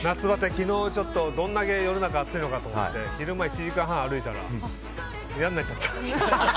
昨日、どれだけ世の中暑いのかと思って昼間、１時間半歩いたら嫌になっちゃった。